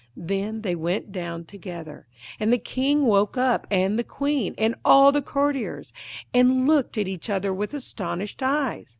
Then they went down together; and the King woke up, and the Queen, and all the courtiers, and looked at each other with astonished eyes.